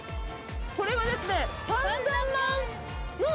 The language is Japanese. これはですね